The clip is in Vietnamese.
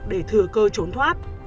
để thừa cơ trốn thoát